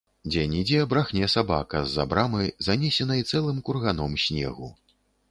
Дзе-нідзе брахне сабака з-за брамы, занесенай цэлым курганом снегу.